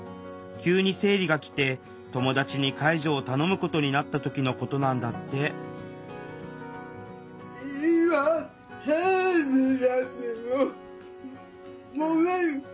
急に生理が来て友達に介助を頼むことになった時のことなんだってなるほど。